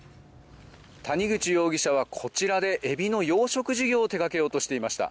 谷口容疑者は、こちらでエビの養殖事業を手掛けようとしていました。